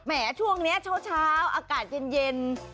แหมช่วงนี้เช้าอากาศเย็น